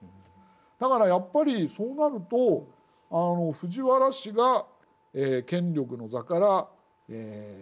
だからやっぱりそうなると藤原氏が権力の座から降りないで済む。